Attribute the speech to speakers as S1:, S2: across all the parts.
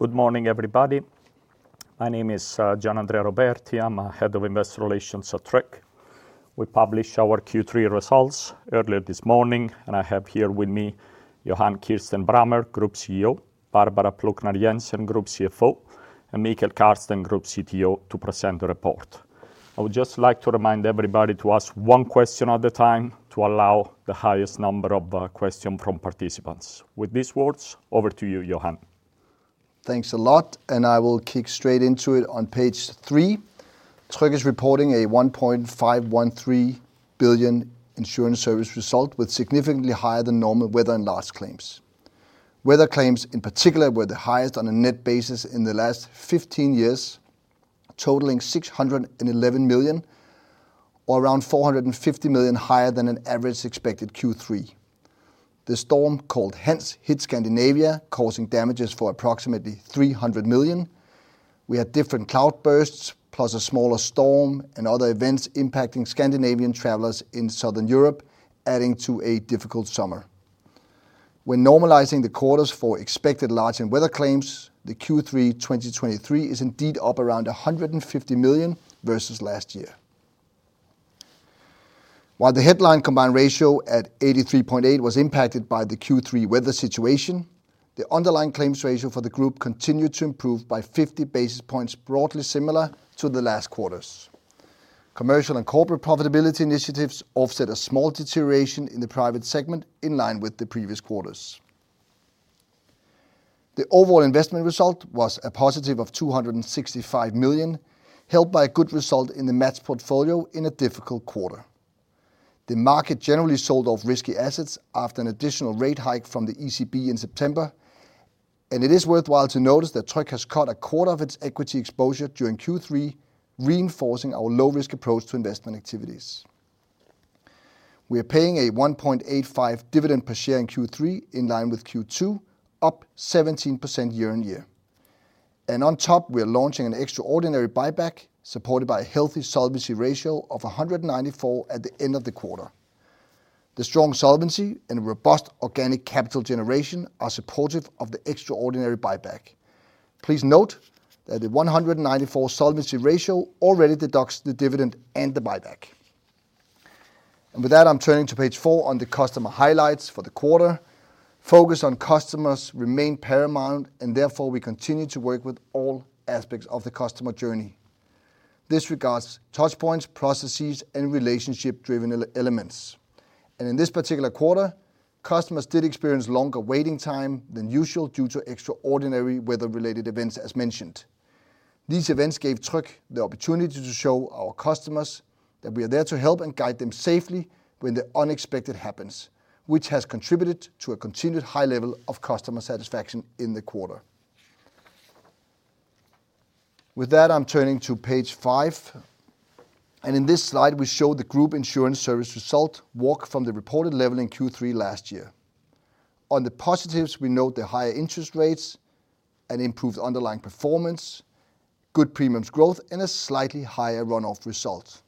S1: Good morning everybody. My name is Gianandrea Roberti. I'm Head of Investor Relations at Tryg. We published our Q3 results earlier this morning, and I have here with me Johan Kirstein Brammer, Group CEO, Barbara Plucnar Jensen, Group CFO, and Mikael Kärrsten, Group CTO to present the report. I would just like to remind everybody to ask one question at a time to allow the highest number of question from participants. With these words, over to you, Johan.
S2: Thanks a lot and I will kick straight into it on page three. Tryg is reporting a 1.513 billion insurance service result with significantly higher than normal weather and large claims. Weather claims, in particular, were the highest on a net basis in the last 15 years, totaling 611 million, or around 450 million higher than an average expected Q3. The storm called Hans hit Scandinavia, causing damages for approximately 300 million. We had different cloud bursts, plus a smaller storm and other events impacting Scandinavian travelers in southern Europe, adding to a difficult summer. When normalizing the quarters for expected large and weather claims, the Q3 2023 is indeed up around 150 million versus last year. While the headline combined ratio at 83.8 was impacted by the Q3 weather situation, the underlying claims ratio for the group continued to improve by 50 basis points, broadly similar to the last quarters. Commercial and Corporate profitability initiatives offset a small deterioration in the Private segment, in line with the previous quarters. The overall investment result was a positive of 265 million, helped by a good result in the match portfolio in a difficult quarter. The market generally sold off risky assets after an additional rate hike from the ECB in September, and it is worthwhile to notice that Tryg has cut a quarter of its equity exposure during Q3, reinforcing our low-risk approach to investment activities. We are paying a 1.85 dividend per share in Q3, in line with Q2, up 17% year on year. On top, we are launching an extraordinary buyback, supported by a healthy solvency ratio of 194 at the end of the quarter. The strong solvency and robust organic capital generation are supportive of the extraordinary buyback. Please note that the 194 solvency ratio already deducts the dividend and the buyback. With that, I'm turning to page four on the customer highlights for the quarter. Focus on customers remain paramount, and therefore we continue to work with all aspects of the customer journey. This regards touchpoints, processes, and relationship-driven elements, and in this particular quarter, customers did experience longer waiting time than usual due to extraordinary weather-related events, as mentioned. These events gave Tryg the opportunity to show our customers that we are there to help and guide them safely when the unexpected happens, which has contributed to a continued high level of customer satisfaction in the quarter. With that, I'm turning to page five, and in this slide we show the group insurance service result walk from the reported level in Q3 last year. On the positives, we note the higher interest rates and improved underlying performance, good premiums growth, and a slightly higher run-off result.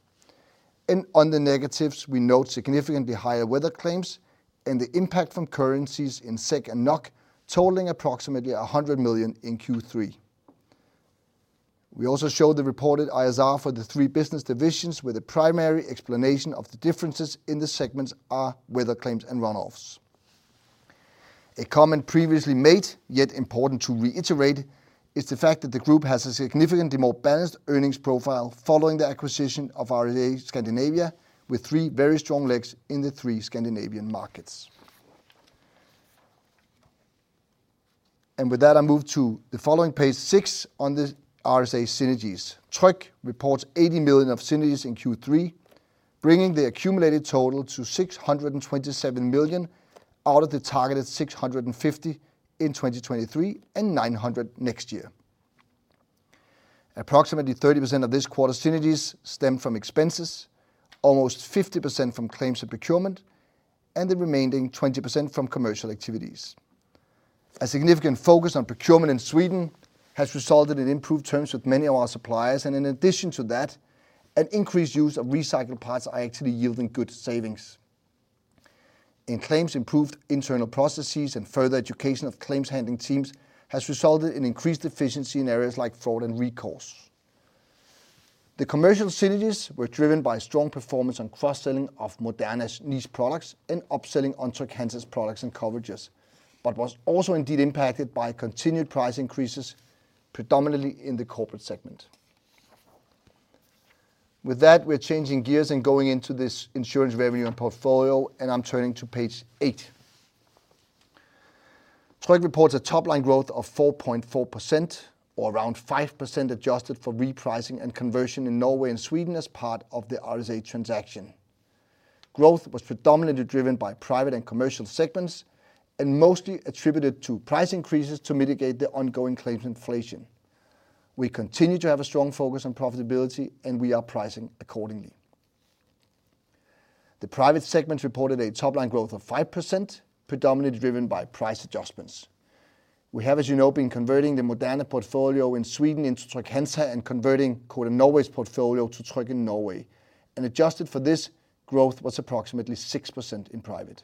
S2: On the negatives, we note significantly higher weather claims and the impact from currencies in SEK and NOK, totaling approximately 100 million in Q3. We also show the reported ISR for the three business divisions, where the primary explanation of the differences in the segments are weather claims and runoffs. A comment previously made, yet important to reiterate, is the fact that the group has a significantly more balanced earnings profile following the acquisition of RSA Scandinavia with three very strong legs in the three Scandinavian markets. With that, I move to the following page six on the RSA synergies. Tryg reports 80 million of synergies in Q3, bringing the accumulated total to 627 million out of the targeted 650 million in 2023 and 900 million next year. Approximately 30% of this quarter's synergies stem from expenses, almost 50% from claims and procurement and the remaining 20% from commercial activities. A significant focus on procurement in Sweden has resulted in improved terms with many of our suppliers and in addition to that, an increased use of recycled parts are actually yielding good savings. In claims, improved internal processes and further education of claims handling teams has resulted in increased efficiency in areas like fraud and recourse. The Commercial synergies were driven by strong performance on cross-selling of Moderna's niche products and upselling on Trygg-Hansa products and coverages, but was also indeed impacted by continued price increases, predominantly in the Corporate segment. With that, we're changing gears and going into this insurance revenue and portfolio and I'm turning to page eight. Tryg reports a top-line growth of 4.4%, or around 5% adjusted for repricing and conversion in Norway and Sweden as part of the RSA transaction. Growth was predominantly driven by Private and Commercial segments and mostly attributed to price increases to mitigate the ongoing claims inflation. We continue to have a strong focus on profitability, and we are pricing accordingly. The Private segment reported a top-line growth of 5%, predominantly driven by price adjustments. We have, as you know, been converting the Moderna portfolio in Sweden into Trygg-Hansa and converting Codan Norway's portfolio to Tryg in Norway, and adjusted for this, growth was approximately 6% in Private.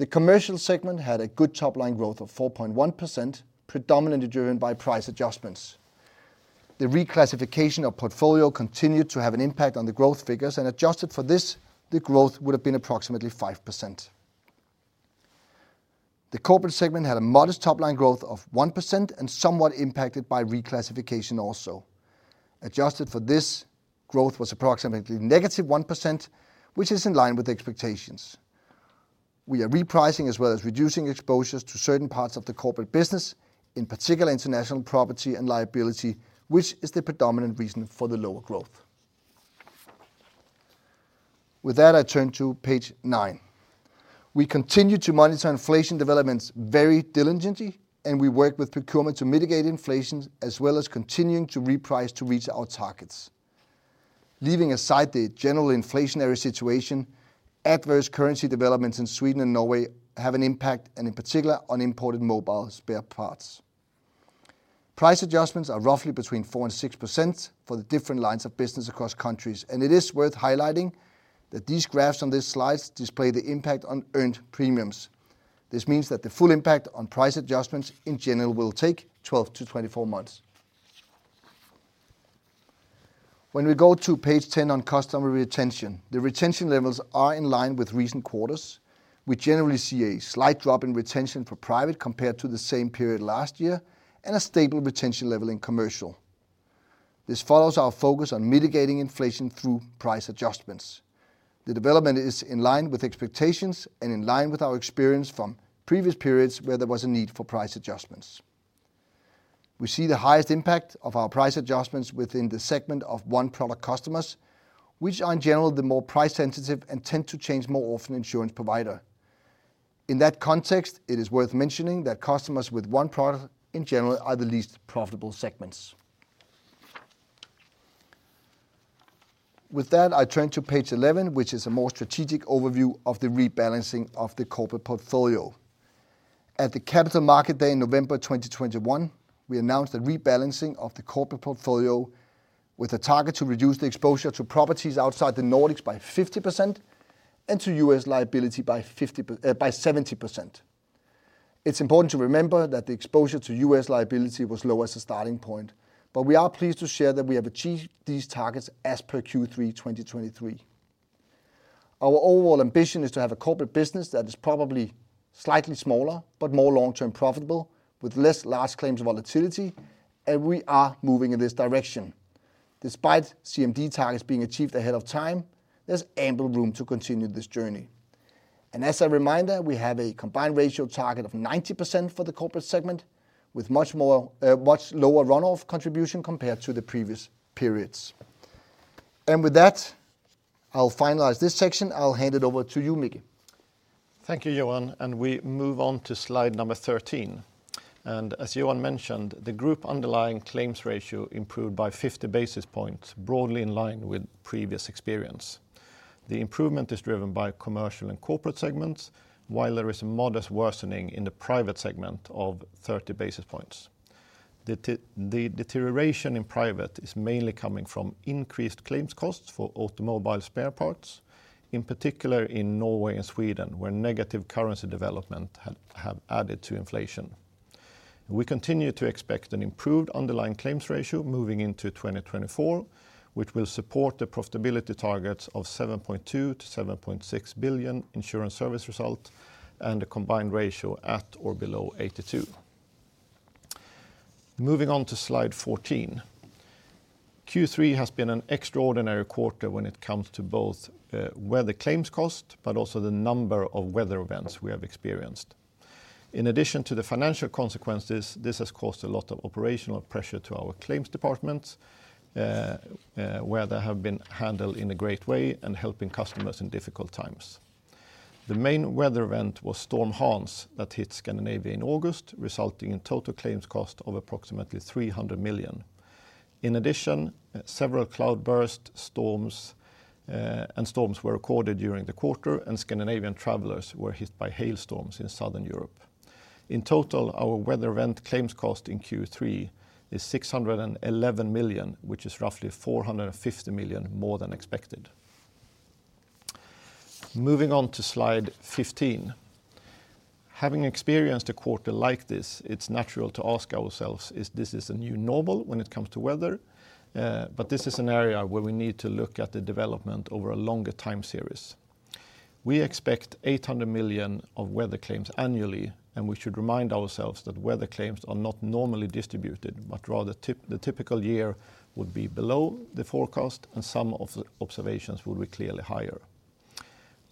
S2: The Commercial segment had a good top line growth of 4.1%, predominantly driven by price adjustments. The reclassification of portfolio continued to have an impact on the growth figures, and adjusted for this, the growth would have been approximately 5%. The Corporate segment had a modest top line growth of 1% and somewhat impacted by reclassification also. Adjusted for this, growth was approximately -1%, which is in line with expectations. We are repricing as well as reducing exposures to certain parts of the corporate business, in particular international property and liability, which is the predominant reason for the lower growth. With that, I turn to page nine. We continue to monitor inflation developments very diligently and we work with procurement to mitigate inflation, as well as continuing to reprice to reach our targets. Leaving aside the general inflationary situation, adverse currency developments in Sweden and Norway have an impact, and in particular, on imported mobile spare parts. Price adjustments are roughly 4%-6% for the different lines of business across countries and it is worth highlighting that these graphs on this slide display the impact on earned premiums. This means that the full impact on price adjustments in general will take 12-24 months. When we go to page 10 on customer retention, the retention levels are in line with recent quarters. We generally see a slight drop in retention for Private compared to the same period last year, and a stable retention level in Commercial. This follows our focus on mitigating inflation through price adjustments. The development is in line with expectations and in line with our experience from previous periods where there was a need for price adjustments. We see the highest impact of our price adjustments within the segment of one-product customers, which are in general the more price-sensitive and tend to change more often insurance provider. In that context, it is worth mentioning that customers with one product in general are the least profitable segments. With that, I turn to page 11, which is a more strategic overview of the rebalancing of the corporate portfolio. At the Capital Market Day in November 2021, we announced a rebalancing of the corporate portfolio with a target to reduce the exposure to properties outside the Nordics by 50% and to U.S. liability by 50%, by 70%. It's important to remember that the exposure to U.S. liability was low as a starting point but we are pleased to share that we have achieved these targets as per Q3 2023. Our overall ambition is to have a corporate business that is probably slightly smaller but more long-term profitable, with less large claims volatility, and we are moving in this direction. Despite CMD targets being achieved ahead of time, there's ample room to continue this journey. As a reminder we have a combined ratio target of 90% for the Corporate segment, with much more - much lower run-off contribution compared to the previous periods. With that, I'll finalize this section. I'll hand it over to you Mike.
S3: Thank you Johan and we move on to slide number 13. As Johan mentioned, the group underlying claims ratio improved by 50 basis points, broadly in line with previous experience. The improvement is driven by Commercial and Corporate segments, while there is a modest worsening in the Private segment of 30 basis points. The deterioration in Private is mainly coming from increased claims costs for automobile spare parts, in particular in Norway and Sweden where negative currency development have added to inflation. We continue to expect an improved underlying claims ratio moving into 2024, which will support the profitability targets of 7.2 billion-7.6 billion insurance service result and a combined ratio at or below 82. Moving on to slide 14. Q3 has been an extraordinary quarter when it comes to both, weather claims cost, but also the number of weather events we have experienced. In addition to the financial consequences, this has caused a lot of operational pressure to our claims departments, where they have been handled in a great way and helping customers in difficult times. The main weather event was Storm Hans that hit Scandinavia in August, resulting in total claims cost of approximately 300 million. In addition, several cloudburst storms, and storms were recorded during the quarter, and Scandinavian travelers were hit by hailstorms in Southern Europe. In total, our weather event claims cost in Q3 is 611 million, which is roughly 450 million more than expected. Moving on to slide 15. Having experienced a quarter like this, it's natural to ask ourselves, is this a new normal when it comes to weather? But this is an area where we need to look at the development over a longer time series. We expect 800 million of weather claims annually and we should remind ourselves that weather claims are not normally distributed, but rather the typical year would be below the forecast and some of the observations will be clearly higher.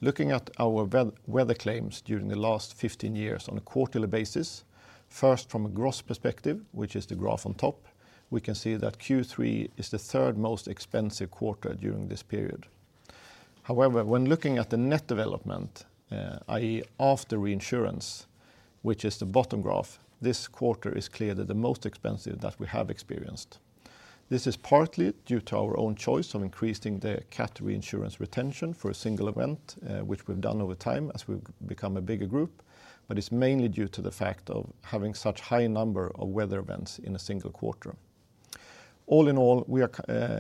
S3: Looking at our weather claims during the last 15 years on a quarterly basis, first from a gross perspective which is the graph on top, we can see that Q3 is the third most expensive quarter during this period. However, when looking at the net development, i.e., after reinsurance, which is the bottom graph, this quarter is clearly the most expensive that we have experienced. This is partly due to our own choice of increasing the cat reinsurance retention for a single event, which we've done over time as we've become a bigger group, but it's mainly due to the fact of having such high number of weather events in a single quarter. All in all,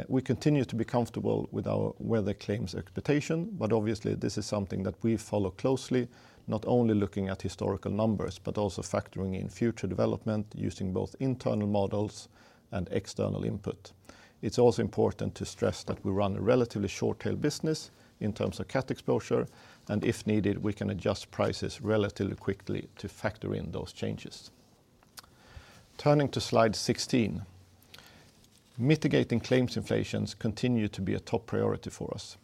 S3: we continue to be comfortable with our weather claims expectation, but obviously this is something that we follow closely, not only looking at historical numbers, but also factoring in future development using both internal models and external input. It's also important to stress that we run a relatively short-tail business in terms of cat exposure, and if needed, we can adjust prices relatively quickly to factor in those changes. Turning to slide 16. Mitigating claims inflation continues to be a top priority for us.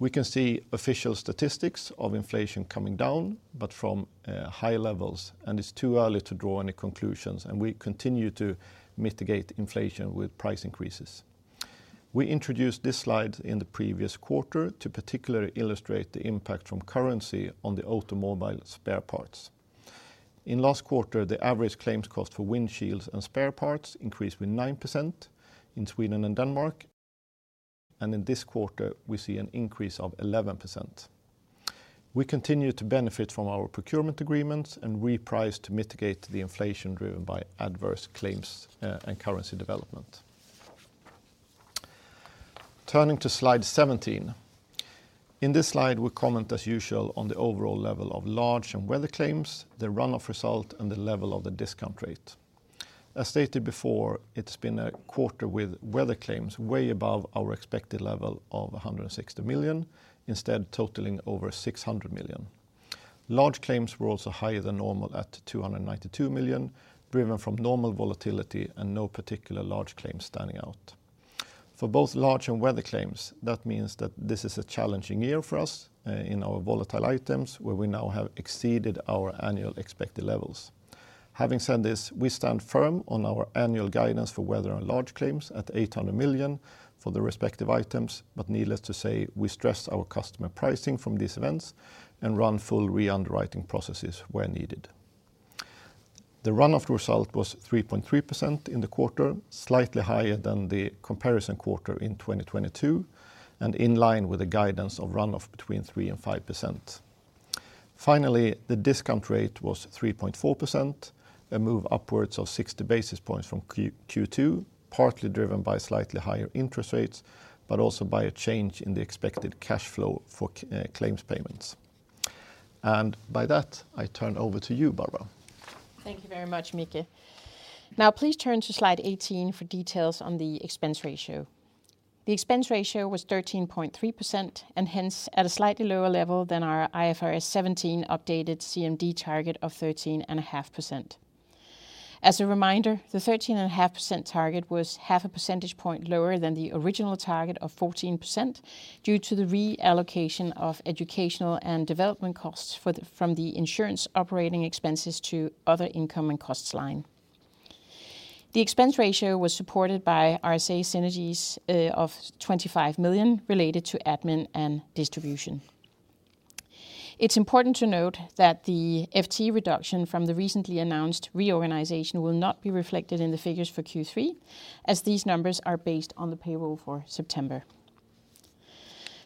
S3: We can see official statistics of inflation coming down but from high levels, and it's too early to draw any conclusions, and we continue to mitigate inflation with price increases. We introduced this slide in the previous quarter to particularly illustrate the impact from currency on the automobile spare parts. In last quarter, the average claims cost for windshields and spare parts increased with 9% in Sweden and Denmark, and in this quarter we see an increase of 11%. We continue to benefit from our procurement agreements and reprice to mitigate the inflation driven by adverse claims, and currency development. Turning to slide 17. In this slide, we comment as usual on the overall level of large and weather claims, the run-off result, and the level of the discount rate. As stated before, it's been a quarter with weather claims way above our expected level of 160 million, instead totaling over 600 million. Large claims were also higher than normal at 292 million, driven from normal volatility and no particular large claims standing out. For both large and weather claims, that means that this is a challenging year for us, in our volatile items, where we now have exceeded our annual expected levels. Having said this, we stand firm on our annual guidance for weather and large claims at 800 million for the respective items but needless to say, we stress our customer pricing from these events and run full re-underwriting processes where needed. The run-off result was 3.3% in the quarter, slightly higher than the comparison quarter in 2022, and in line with the guidance of run-off between 3%-5%. Finally, the discount rate was 3.4%, a move upwards of 60 basis points from Q2, partly driven by slightly higher interest rates, but also by a change in the expected cash flow for claims payments. By that, I turn over to you Barbara.
S4: Thank you very much, Mike. Now please turn to slide 18 for details on the expense ratio. The expense ratio was 13.3%, and hence at a slightly lower level than our IFRS 17 updated CMD target of 13.5%. As a reminder, the 13.5% target was half a percentage point lower than the original target of 14%, due to the reallocation of educational and development costs from the insurance operating expenses to other income and costs line. The expense ratio was supported by RSA synergies of 25 million related to admin and distribution. It's important to note that the FTE reduction from the recently announced reorganization will not be reflected in the figures for Q3, as these numbers are based on the payroll for September.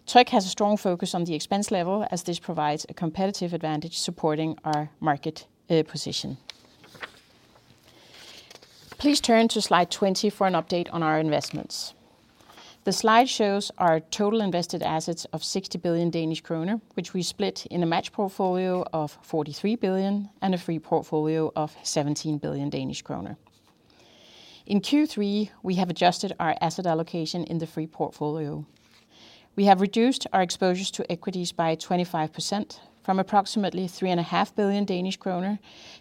S4: Tryg has a strong focus on the expense level, as this provides a competitive advantage supporting our market position. Please turn to slide 20 for an update on our investments. The slide shows our total invested assets of 60 billion Danish kroner which we split in a match portfolio of 43 billion DKK and a free portfolio of 17 billion Danish kroner. In Q3, we have adjusted our asset allocation in the free portfolio. We have reduced our exposures to equities by 25% from approximately 3.5 billion Danish kroner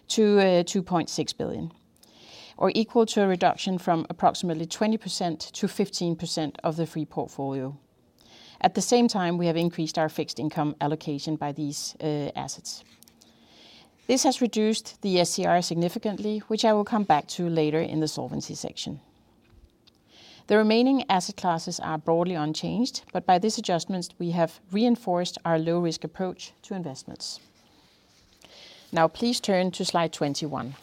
S4: to 2.6 billion DKK, or equal to a reduction from approximately 20% to 15% of the free portfolio. At the same time we have increased our fixed income allocation by these assets. This has reduced the SCR significantly, which I will come back to later in the solvency section. The remaining asset classes are broadly unchanged but by these adjustments, we have reinforced our low-risk approach to investments. Now please turn to slide 21.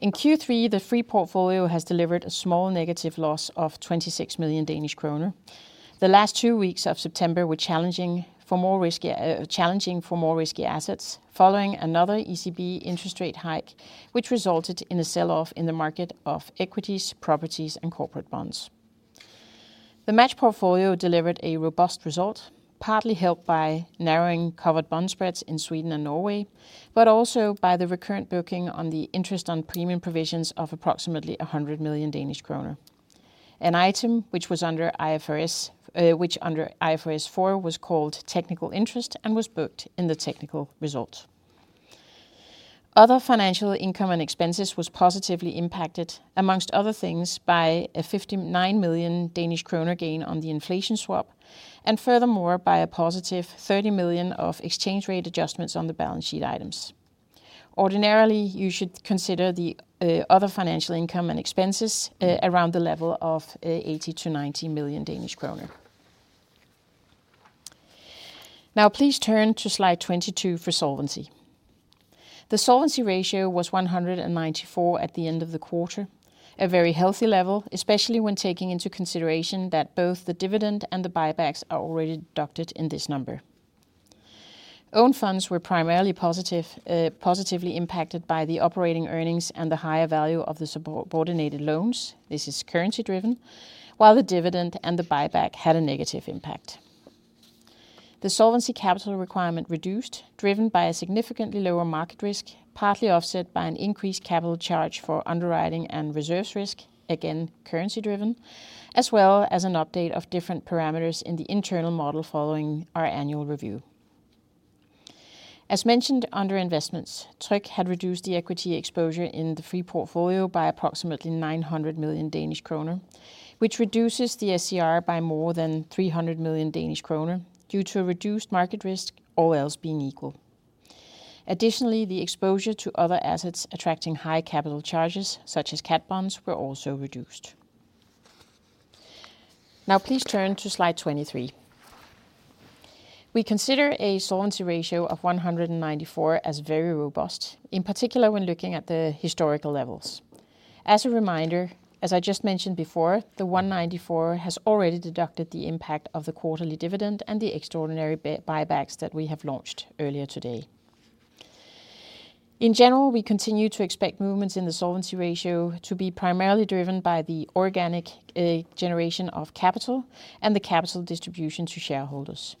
S4: In Q3, the free portfolio has delivered a small negative loss of 26 million Danish kroner. The last two weeks of September were challenging for more risky assets, following another ECB interest rate hike, which resulted in a sell-off in the market of equities, properties, and corporate bonds. The match portfolio delivered a robust result, partly helped by narrowing covered bond spreads in Sweden and Norway, but also by the recurrent booking on the interest on premium provisions of approximately 100 million Danish kroner. An item which under IFRS 4 was called technical interest and was booked in the technical result. Other financial income and expenses was positively impacted, among other things, by a 59 million Danish kroner gain on the inflation swap, and furthermore, by a positive 30 million of exchange rate adjustments on the balance sheet items. Ordinarily, you should consider the other financial income and expenses around the level of 80 million-90 million Danish kroner. Now please turn to slide 22 for solvency. The solvency ratio was 194 at the end of the quarter, a very healthy level, especially when taking into consideration that both the dividend and the buybacks are already deducted in this number. Own funds were primarily positive, positively impacted by the operating earnings and the higher value of the subordinated loans. This is currency-driven while the dividend and the buyback had a negative impact. The solvency capital requirement reduced, driven by a significantly lower market risk, partly offset by an increased capital charge for underwriting and reserves risk. Again, currency-driven, as well as an update of different parameters in the internal model following our annual review. As mentioned under investments, Tryg had reduced the equity exposure in the free portfolio by approximately 900 million Danish kroner, which reduces the SCR by more than 300 million Danish kroner due to a reduced market risk, all else being equal. Additionally, the exposure to other assets attracting high capital charges such as cat bonds, were also reduced. Now please turn to slide 23. We consider a solvency ratio of 194 as very robust, in particular when looking at the historical levels. As a reminder, as I just mentioned before, the 194 has already deducted the impact of the quarterly dividend and the extraordinary buybacks that we have launched earlier today. In general, we continue to expect movements in the solvency ratio to be primarily driven by the organic generation of capital and the capital distribution to shareholders.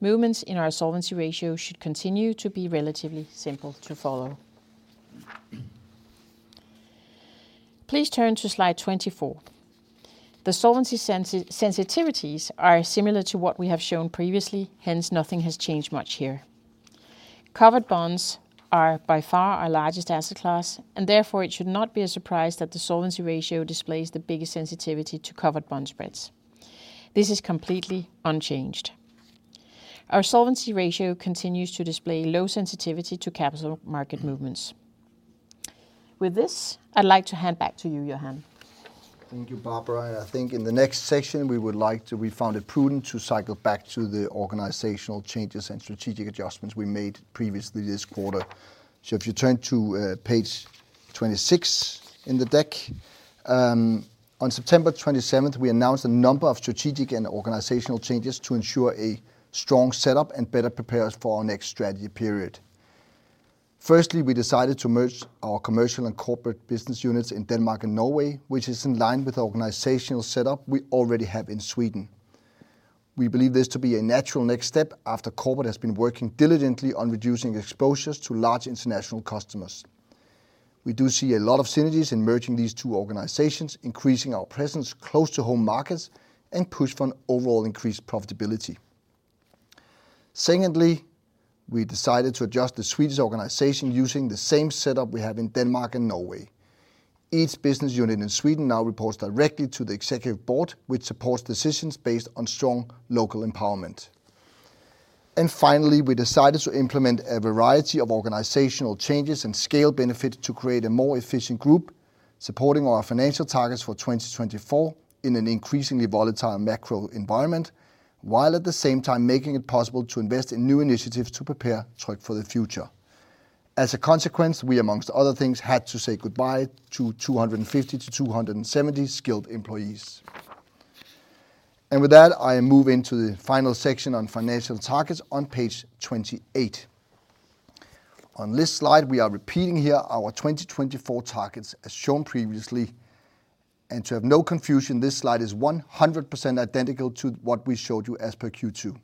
S4: Movements in our solvency ratio should continue to be relatively simple to follow. Please turn to slide 24. The solvency sensitivities are similar to what we have shown previously, hence nothing has changed much here. Covered bonds are by far our largest asset class, and therefore it should not be a surprise that the solvency ratio displays the biggest sensitivity to covered bond spreads. This is completely unchanged. Our solvency ratio continues to display low sensitivity to capital market movements. With this, I'd like to hand back to you, Johan.
S2: Thank you, Barbara. I think in the next section, we found it prudent to cycle back to the organizational changes and strategic adjustments we made previously this quarter. So if you turn to page 26 in the deck. On September 27th, we announced a number of strategic and organizational changes to ensure a strong setup and better prepare us for our next strategy period. Firstly, we decided to merge our Commercial and Corporate business units in Denmark and Norway, which is in line with the organizational setup we already have in Sweden. We believe this to be a natural next step after Corporate has been working diligently on reducing exposures to large international customers. We do see a lot of synergies in merging these two organizations increasing our presence close to home markets and push for an overall increased profitability. Secondly, we decided to adjust the Swedish organization using the same setup we have in Denmark and Norway. Each business unit in Sweden now reports directly to the executive board which supports decisions based on strong local empowerment. And finally we decided to implement a variety of organizational changes and scale benefits to create a more efficient group, supporting our financial targets for 2024 in an increasingly volatile macro environment while at the same time making it possible to invest in new initiatives to prepare Tryg for the future. As a consequence, we amongst other things, had to say goodbye to 250-270 skilled employees. And with that I move into the final section on financial targets on page 28. On this slide, we are repeating here our 2024 targets as shown previously. To have no confusion, this slide is 100% identical to what we showed you as per Q2.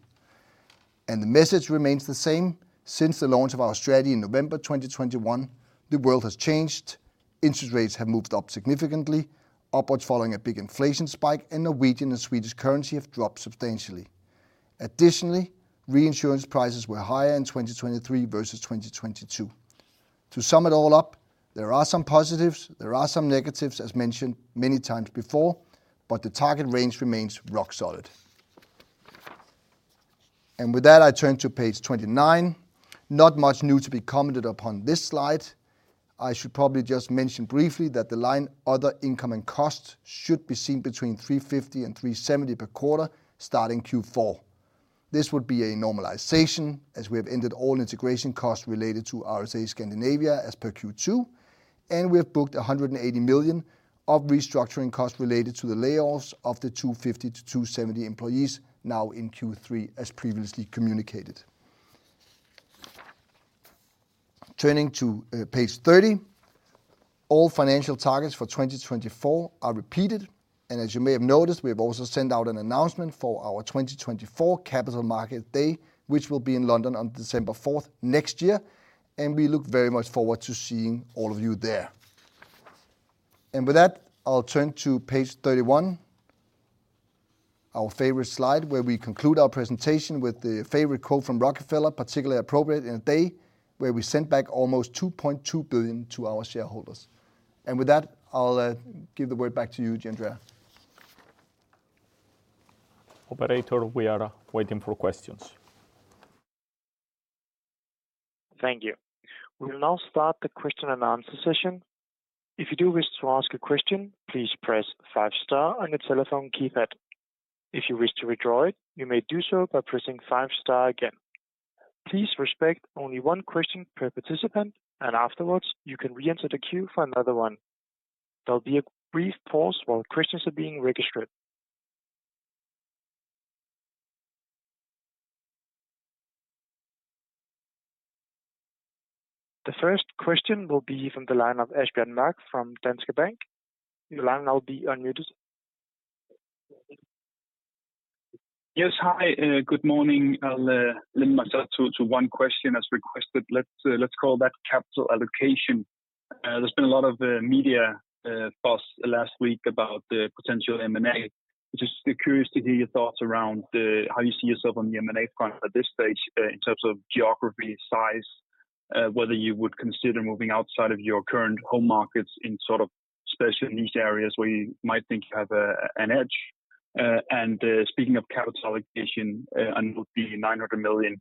S2: The message remains the same. Since the launch of our strategy in November 2021, the world has changed, interest rates have moved up significantly, upwards following a big inflation spike, and Norwegian and Swedish currency have dropped substantially. Additionally reinsurance prices were higher in 2023 versus 2022. To sum it all up, there are some positives, there are some negatives as mentioned many times before, but the target range remains rock solid. With that, I turn to page 29. Not much new to be commented upon this slide. I should probably just mention briefly that the line other income and costs should be seen between 350 and 370 per quarter starting Q4. This would be a normalization as we have ended all integration costs related to RSA Scandinavia as per Q2, and we have booked 180 million of restructuring costs related to the layoffs of the 250-270 employees now in Q3, as previously communicated. Turning to page 30. All financial targets for 2024 are repeated and as you may have noticed, we have also sent out an announcement for our 2024 Capital Market Day which will be in London on December 4 next year and we look very much forward to seeing all of you there. And with that, I'll turn to page 31, our favorite slide, where we conclude our presentation with the favorite quote from Rockefeller, particularly appropriate in a day where we sent back almost 2.2 billion to our shareholders. With that, I'll give the word back to you, Gianandrea.
S1: Operator, we are waiting for questions.
S5: Thank you. We will now start the question and answer session. If you do wish to ask a question, please press five star on your telephone keypad. If you wish to withdraw it, you may do so by pressing five star again. Please respect only one question per participant, and afterwards, you can reenter the queue for another one. There'll be a brief pause while questions are being registered. The first question will be from the line of Asbjørn Mørk from Danske Bank. Your line now be unmuted.
S6: Yes. Hi, good morning. I'll limit myself to one question as requested. Let's call that capital allocation. There's been a lot of media buzz last week about the potential M&A. Just curious to hear your thoughts around how you see yourself on the M&A front at this stage, in terms of geography, size, whether you would consider moving outside of your current home markets in sort of especially in these areas where you might think you have a, an edge. And speaking of capital allocation, and with the 900 million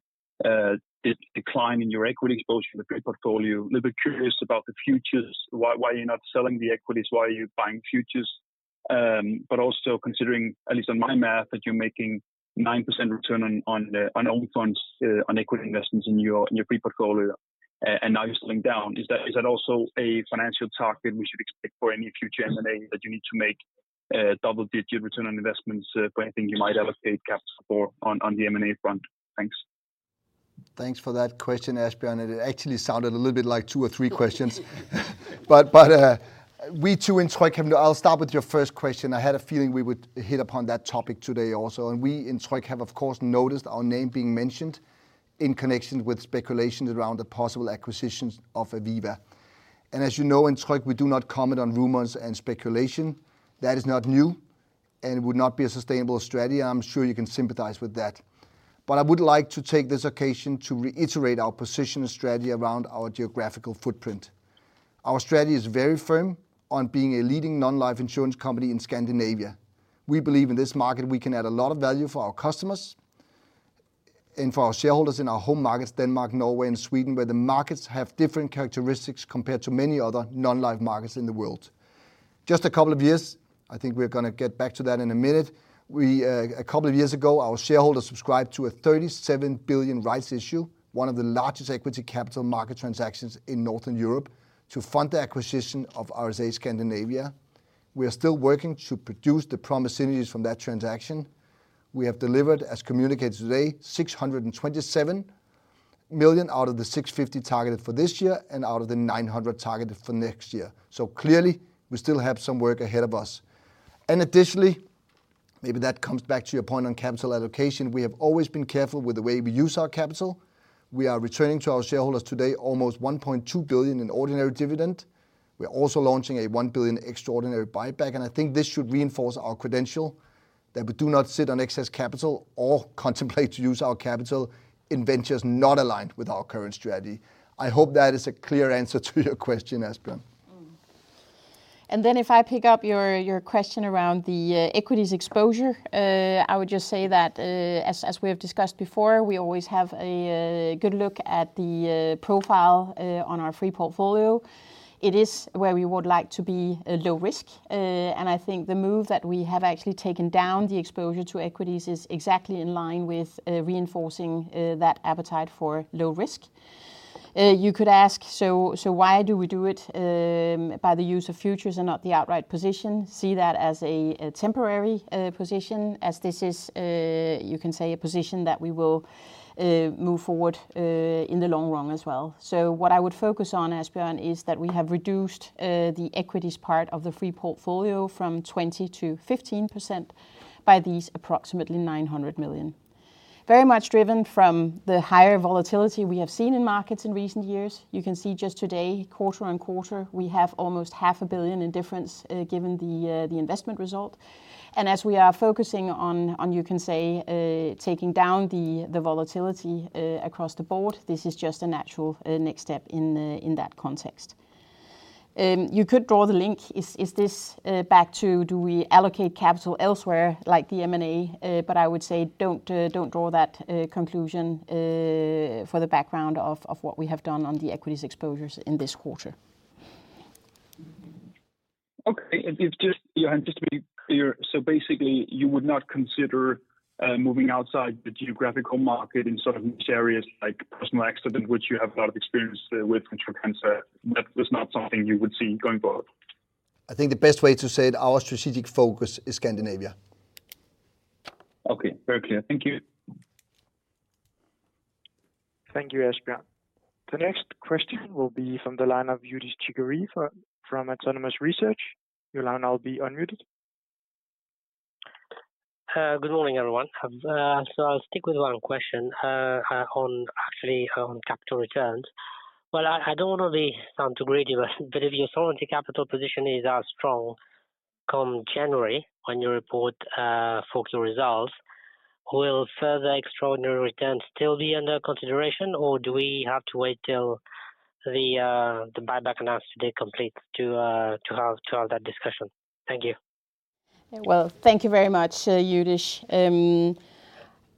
S6: decline in your equity exposure, the free portfolio, a little bit curious about the futures, why you're not selling the equities? Why are you buying futures? But also considering at least in my math, that you're making 9% return on own funds, on equity investments in your free portfolio, and now you're selling down. Is that also a financial target we should expect for any future M&A, that you need to make double-digit return on investments for anything you might allocate capital for on the M&A front? Thanks.
S2: Thanks for that question Asbjørn, and it actually sounded a little bit like two or three questions. But we too, in Tryg, I'll start with your first question. I had a feeling we would hit upon that topic today also, and we in Tryg have of course noticed our name being mentioned in connection with speculations around the possible acquisitions of Aviva. And as you know, in Tryg, we do not comment on rumors and speculation. That is not new, and it would not be a sustainable strategy. I'm sure you can sympathize with that. But I would like to take this occasion to reiterate our position and strategy around our geographical footprint. Our strategy is very firm on being a leading non-life insurance company in Scandinavia. We believe in this market, we can add a lot of value for our customers and for our shareholders in our home markets, Denmark, Norway, and Sweden, where the markets have different characteristics compared to many other non-life markets in the world. Just a couple of years, I think we're going to get back to that in a minute. We, a couple of years ago, our shareholders subscribed to a 37 billion rights issue, one of the largest equity capital market transactions in Northern Europe, to fund the acquisition of RSA Scandinavia. We are still working to produce the promised synergies from that transaction. We have delivered, as communicated today, 627 million out of the 650 million targeted for this year and out of the 900 million targeted for next year. So clearly, we still have some work ahead of us. Additionally, maybe that comes back to your point on capital allocation. We have always been careful with the way we use our capital. We are returning to our shareholders today almost 1.2 billion in ordinary dividend. We are also launching a 1 billion extraordinary buyback, and I think this should reinforce our credentials, that we do not sit on excess capital or contemplate to use our capital in ventures not aligned with our current strategy. I hope that is a clear answer to your question, Asbjørn.
S4: If I pick up your question around the equities exposure, I would just say that as we have discussed before, we always have a good look at the profile on our free portfolio. It is where we would like to be low risk. I think the move that we have actually taken down the exposure to equities is exactly in line with reinforcing that appetite for low risk. You could ask, "So, why do we do it by the use of futures and not the outright position?" See that as a temporary position, as this is, you can say a position that we will move forward in the long run as well. So what I would focus on, Asbjørn, is that we have reduced the equities part of the free portfolio from 20%-15% by these approximately 900 million. Very much driven from the higher volatility we have seen in markets in recent years. You can see just today, quarter-on-quarter, we have almost 500 million in difference given the investment result. And as we are focusing on you can say taking down the volatility across the board, this is just a natural next step in that context. You could draw the link: is this back to do we allocate capital elsewhere, like the M&A? But I would say, don't - don't draw that conclusion for the background of, of what we have done on the equities exposures in this quarter.
S6: Okay. It's just, just to be clear: so basically, you would not consider moving outside the geographical market in sort of areas like personal accident, which you have a lot of experience with, with Tryg, and so that was not something you would see going forward?
S2: I think the best way to say it, our strategic focus is Scandinavia.
S6: Okay, very clear. Thank you.
S5: Thank you, Asbjørn. The next question will be from the line of Youdish Chicooree from Autonomous Research. Your line is now being unmuted.
S7: Good morning, everyone. I'll stick with one question, actually on capital returns. Well, I don't want to sound too greedy but if your solvency capital position is as strong come January when you report full year results, will further extraordinary returns still be under consideration or do we have to wait till the buyback announced today completes to have that discussion? Thank you.
S4: Well, thank you very much, Youdish.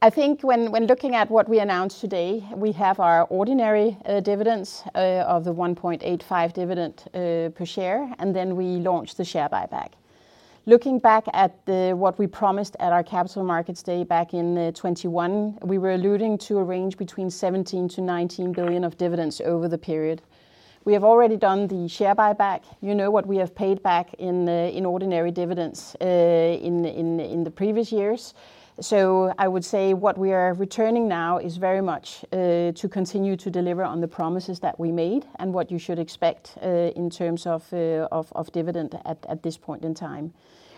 S4: I think when looking at what we announced today, we have our ordinary dividends of the 1.85 dividend per share, and then we launched the share buyback. Looking back at what we promised at our Capital Markets Day back in 2021, we were alluding to a range between 17-19 billion of dividends over the period. We have already done the share buyback. You know what we have paid back in ordinary dividends in the previous years. So I would say what we are returning now is very much to continue to deliver on the promises that we made and what you should expect in terms of dividend at this point in time.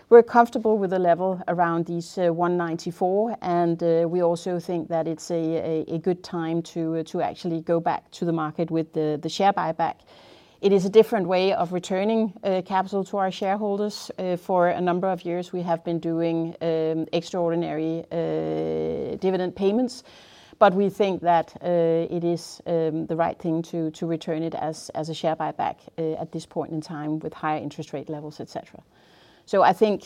S4: We're comfortable with the level around these 194 and we also think that it's a good time to actually go back to the market with the share buyback. It is a different way of returning capital to our shareholders. For a number of years, we have been doing extraordinary dividend payments but we think that it is the right thing to return it as a share buyback at this point in time with high interest rate levels, et cetera. So I think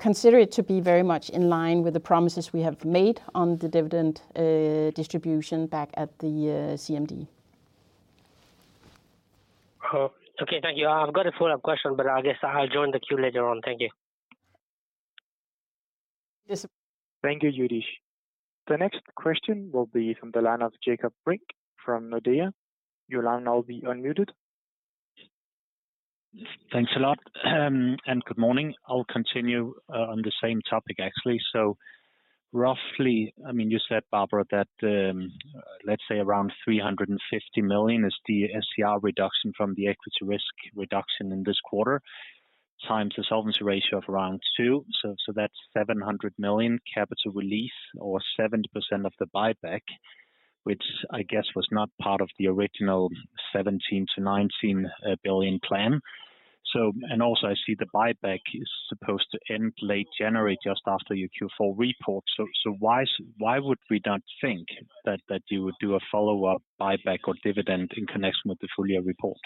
S4: consider it to be very much in line with the promises we have made on the dividend distribution back at the CMD.
S7: Oh, okay, thank you. I've got a follow-up question but I guess I'll join the queue later on. Thank you.
S4: Yes.
S5: Thank you, Youdish. The next question will be from the line of Jakob Brink from Nordea. Your line now will be unmuted.
S8: Thanks a lot, and good morning. I'll continue on the same topic, actually. So roughly, I mean, you said, Barbara, that let's say around 350 million is the SCR reduction from the equity risk reduction in this quarter times the solvency ratio of around two. So that's 700 million capital release or 70% of the buyback, which I guess was not part of the original 17-19 billion plan. So, and also I see the buyback is supposed to end late January, just after your Q4 report. So why would we not think that you would do a follow-up buyback or dividend in connection with the full year report?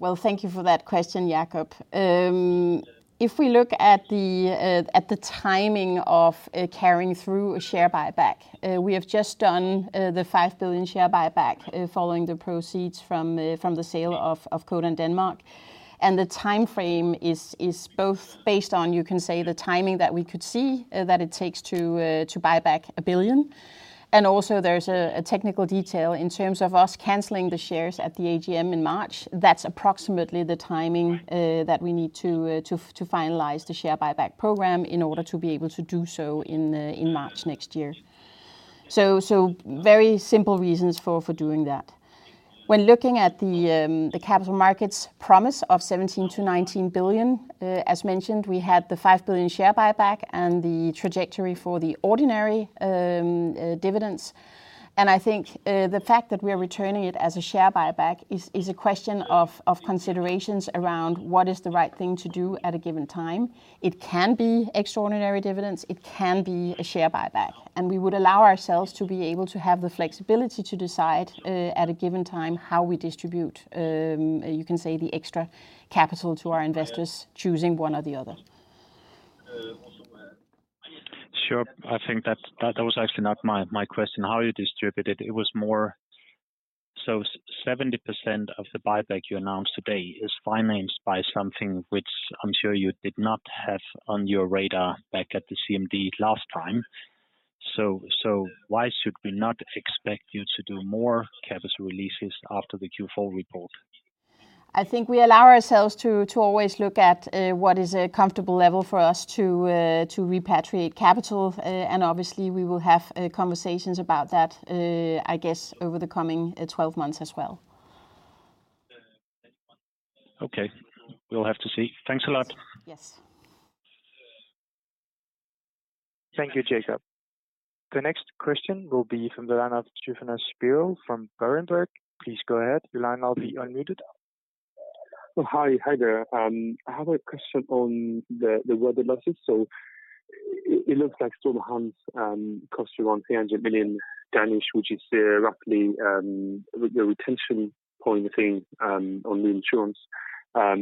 S4: Well, thank you for that question, Jacob. If we look at the timing of carrying through a share buyback, we have just done the 5 billion share buyback, following the proceeds from the sale of Codan Denmark. And the time frame is both based on, you can say, the timing that we could see that it takes to buy back 1 billion. And also, there's a technical detail in terms of us canceling the shares at the AGM in March. That's approximately the timing that we need to finalize the share buyback program in order to be able to do so in March next year. So very simple reasons for doing that. When looking at the capital markets promise of 17 billion-19 billion, as mentioned, we had the 5 billion share buyback and the trajectory for the ordinary, dividends. And I think, the fact that we are returning it as a share buyback is, is a question of, of considerations around what is the right thing to do at a given time. It can be extraordinary dividends, it can be a share buyback, and we would allow ourselves to be able to have the flexibility to decide, at a given time how we distribute, you can say, the extra capital to our investors, choosing one or the other.
S8: Sure. I think that was actually not my question, how you distribute it. It was more - so 70% of the buyback you announced today is financed by something which I'm sure you did not have on your radar back at the CMD last time. So why should we not expect you to do more capital releases after the Q4 report?
S4: I think we allow ourselves to always look at what is a comfortable level for us to repatriate capital. And obviously, we will have conversations about that, I guess, over the coming 12 months as well.
S8: Okay. We'll have to see. Thanks a lot.
S4: Yes.
S5: Thank you, Jakob. The next question will be from the line of Tryfonas Spyrou from Berenberg. Please go ahead. Your line now be unmuted.
S9: Oh, hi. Hi there. I have a question on the weather losses. So it looks like Storm Hans cost you around 300 million, which is roughly the retention point, I think, on the insurance. I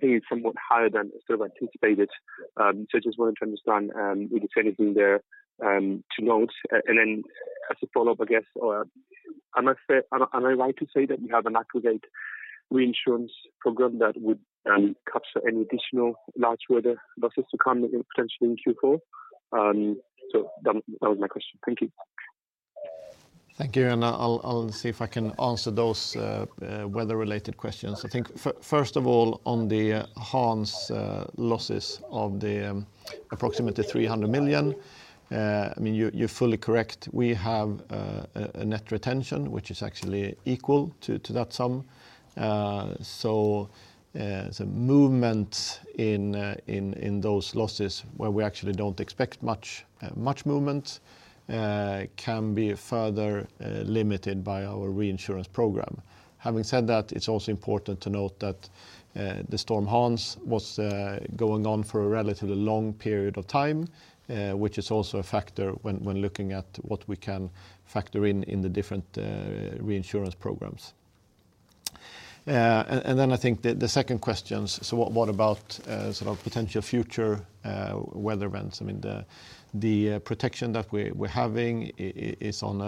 S9: think it's somewhat higher than sort of anticipated. So I just wanted to understand if there's anything there to note. And then as a follow-up, I guess, am I right to say that you have an aggregate reinsurance program that would capture any additional large weather losses to come potentially in Q4? So that was my question. Thank you.
S3: Thank you. I'll see if I can answer those weather-related questions. I think first of all, on the Storm Hans losses of approximately 300 million, I mean, you're fully correct. We have a net retention, which is actually equal to that sum. So the movement in those losses, where we actually don't expect much movement, can be further limited by our reinsurance program. Having said that, it's also important to note that the Storm Hans was going on for a relatively long period of time, which is also a factor when looking at what we can factor in, in the different reinsurance programs. And then I think the second question, so what about sort of potential future weather events? I mean the protection that we're having is on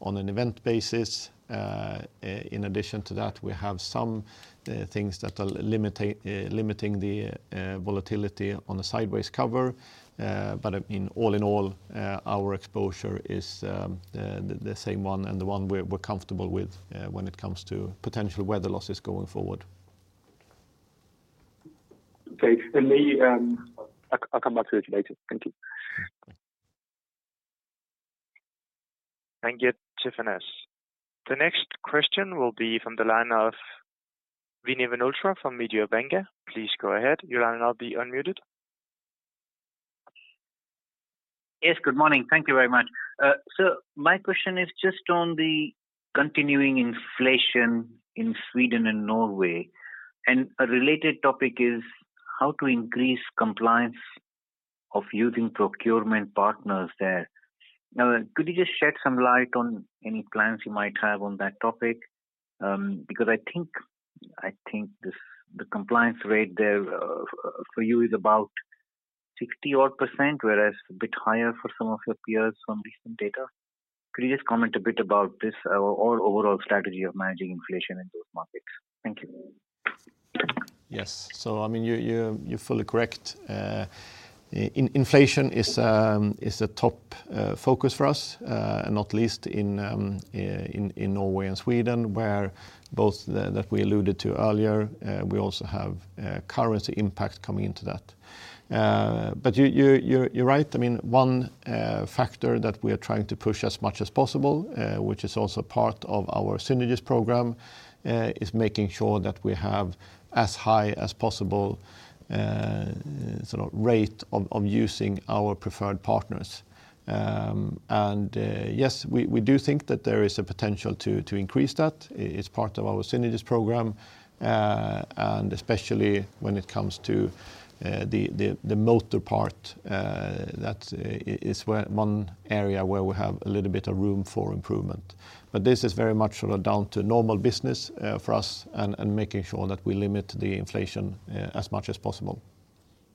S3: an event basis. In addition to that, we have some things that are limiting the volatility on the sideways cover. But I mean, all in all, our exposure is the same one and the one we're comfortable with when it comes to potential weather losses going forward.
S9: Okay. And maybe I'll come back to this later. Thank you.
S5: Thank you, Tryfonas. The next question will be from the line of Vinit Malhotra from Mediobanca. Please go ahead. Your line will now be unmuted.
S10: Yes, good morning. Thank you very much. So my question is just on the continuing inflation in Sweden and Norway, and a related topic is how to increase compliance of using procurement partners there. Now, could you just shed some light on any plans you might have on that topic? Because I think, I think this, the compliance rate there, for you is about 60-odd%, whereas a bit higher for some of your peers from recent data. Could you just comment a bit about this or overall strategy of managing inflation in those markets? Thank you.
S3: Yes. So I mean, you're fully correct. Inflation is a top focus for us, and not least in Norway and Sweden, where both that we alluded to earlier, we also have a currency impact coming into that. But you're right. I mean, one factor that we are trying to push as much as possible, which is also part of our synergies program, is making sure that we have as high as possible sort of rate of using our preferred partners. And yes, we do think that there is a potential to increase that. It's part of our synergies program and especially when it comes to the motor part, that is where one area where we have a little bit of room for improvement. But this is very much sort of down to normal business for us and making sure that we limit the inflation as much as possible.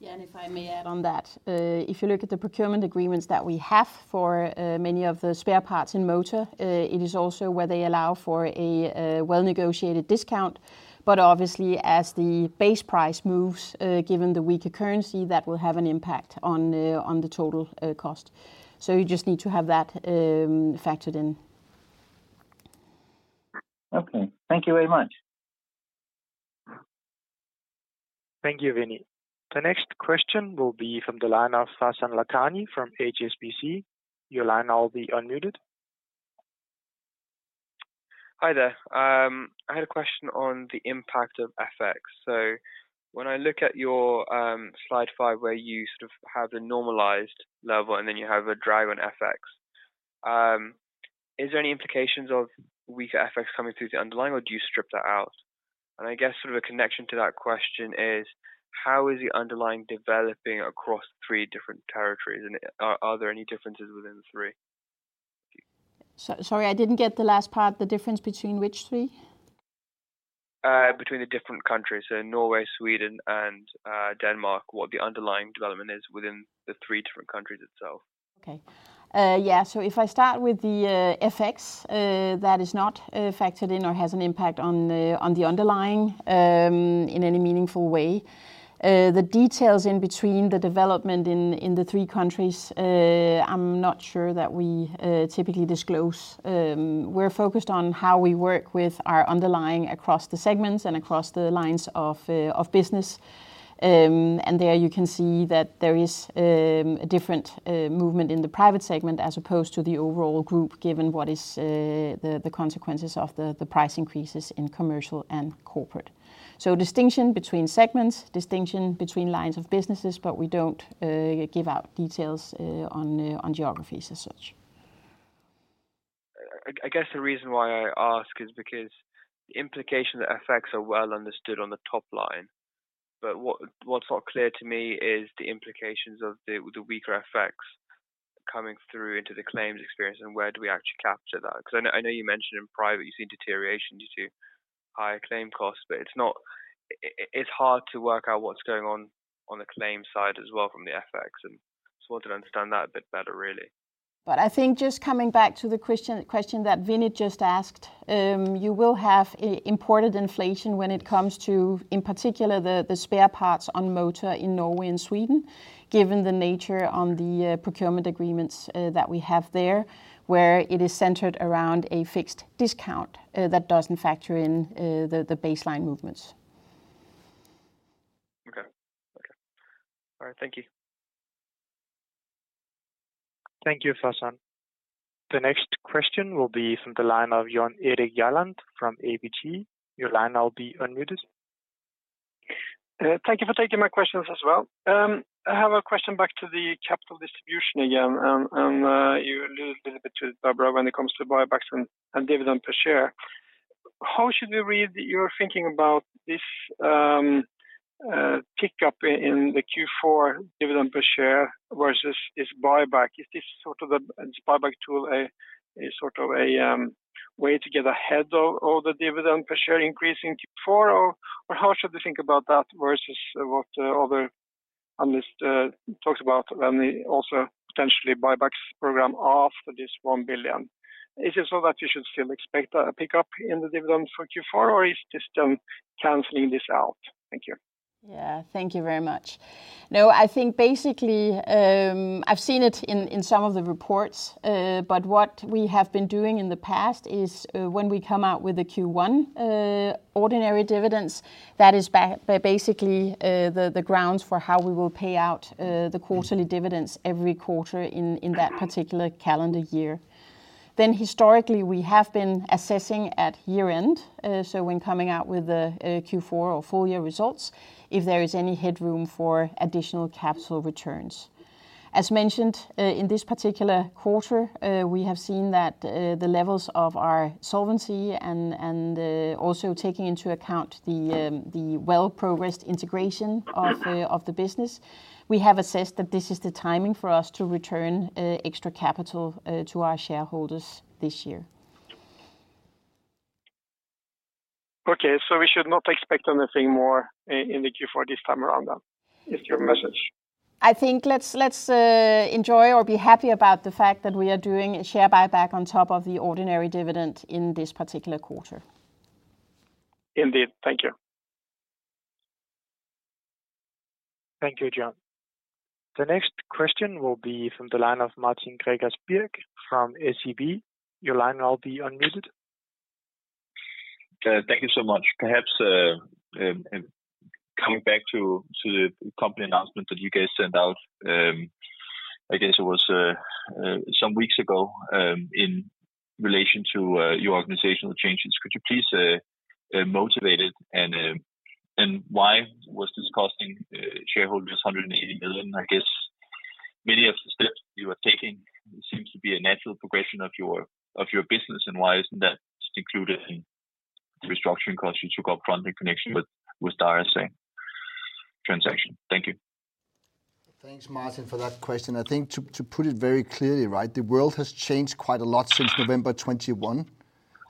S4: Yeah, and if I may add on that. If you look at the procurement agreements that we have for many of the spare parts in motor, it is also where they allow for a well-negotiated discount. But obviously, as the base price moves, given the weaker currency, that will have an impact on the total cost. So you just need to have that factored in.
S10: Okay. Thank you very much.
S5: Thank you, Vinit. The next question will be from the line of Faizan Lakhani from HSBC. Your line now will be unmuted.
S11: Hi there. I had a question on the impact of FX. So when I look at your slide 5, where you sort of have the normalized level, and then you have a drive on FX, is there any implications of weaker FX coming through the underlying, or do you strip that out? And I guess sort of a connection to that question is: How is the underlying developing across 3 different territories, and are there any differences within the 3?
S4: Sorry, I didn't get the last part. The difference between which three?
S11: Between the different countries, so Norway, Sweden, and Denmark, what the underlying development is within the three different countries itself?
S4: Okay. Yeah. So if I start with the FX, that is not factored in or has an impact on the underlying in any meaningful way. The details in between the development in the three countries, I'm not sure that we typically disclose. We're focused on how we work with our underlying across the segments and across the lines of business. And there you can see that there is a different movement in the Private segment as opposed to the overall group, given what is the consequences of the price increases in Commercial and Corporate. So distinction between segments, distinction between lines of businesses, but we don't give out details on geographies as such.
S11: I guess the reason why I ask is because the implication that FX are well understood on the top line, but what's not clear to me is the implications of the weaker FX coming through into the claims experience, and where do we actually capture that? Because I know you mentioned in private, you've seen deterioration due to higher claim costs, but it's not... It's hard to work out what's going on on the claims side as well from the FX, and so I want to understand that a bit better, really.
S4: But I think just coming back to the question that Vinit just asked, you will have imported inflation when it comes to, in particular, the spare parts on motor in Norway and Sweden, given the nature of the procurement agreements that we have there, where it is centered around a fixed discount that doesn't factor in the baseline movements.
S11: Okay. Okay. All right. Thank you.
S5: Thank you, Faizan. The next question will be from the line of Jan Erik Gjerland from ABG. Your line now will be unmuted.
S12: Thank you for taking my questions as well. I have a question back to the capital distribution again, and you alluded a little bit to Barbara when it comes to buybacks and, and dividend per share. How should we read your thinking about this, pick up in, in the Q4 dividend per share versus this buyback. Is this sort of the, this buyback tool a, a sort of a, way to get ahead of, of the dividend per share increase in Q4? Or - or how should we think about that versus what other analyst talks about when they also potentially buybacks program after this 1 billion? Is it so that you should still expect a, a pickup in the dividend for Q4, or is this done canceling this out? Thank you.
S4: Yeah, thank you very much. No, I think basically I've seen it in, in some of the reports, but what we have been doing in the past is, when we come out with the Q1, ordinary dividends, that is basically, the, the grounds for how we will pay out, the quarterly dividends every quarter in, in that particular calendar year. Then historically, we have been assessing at year-end, so when coming out with the, Q4 or full year results, if there is any headroom for additional capital returns. As mentioned, in this particular quarter, we have seen that, the levels of our solvency and, and, also taking into account the, the well-progressed integration of the, of the business, we have assessed that this is the timing for us to return, extra capital to our shareholders this year.
S12: Okay. So we should not expect anything more in the Q4 this time around then, is your message?
S4: I think let's enjoy or be happy about the fact that we are doing a share buyback on top of the ordinary dividend in this particular quarter.
S12: Indeed. Thank you.
S5: Thank you, Jan. The next question will be from the line of Martin Gregers Birk from SEB. Your line will now be unmuted.
S13: Thank you so much. Perhaps coming back to the company announcement that you guys sent out, I guess it was some weeks ago, in relation to your organizational changes. Could you please motivate it? And why was this costing shareholders 180 million? I guess many of the steps you are taking seems to be a natural progression of your business and why isn't that just included in the restructuring costs you took up front in connection with the RSA transaction? Thank you.
S2: Thanks Martin for that question. I think to put it very clearly, right? The world has changed quite a lot since November 21,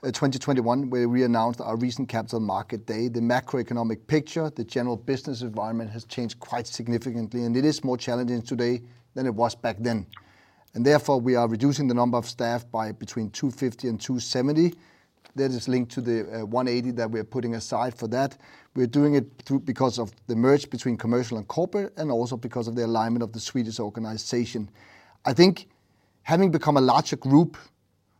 S2: 2021, where we announced our recent Capital Market Day. The macroeconomic picture the general business environment has changed quite significantly, and it is more challenging today than it was back then. Therefore, we are reducing the number of staff by between 250 and 270. That is linked to the 180 million that we are putting aside for that. We're doing it through because of the merge between commercial and corporate, and also because of the alignment of the Swedish organization. I think having become a larger group,